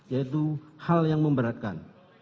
yaitu hal yang memberatkan